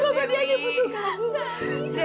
tante aku butuh kamu